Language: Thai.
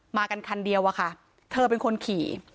มากันคันเดียวอะค่ะเธอเป็นคนขี่